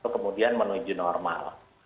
kemudian menuju normal